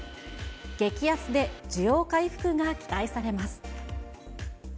激安で需要回復が期待されます。